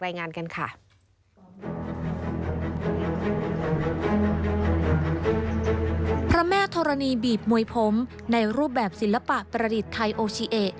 ในรูปแบบศิลปะประดิษฐ์ไทยโอชิเอ